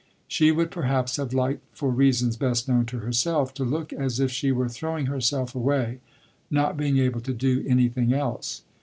She would perhaps have liked, for reasons best known to herself, to look as if she were throwing herself away, not being able to do anything else.